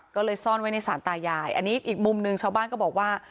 ก็เลยซ่อนไว้ในสารตายายอันนี้อีกมุมหนึ่งชาวบ้านก็บอกว่า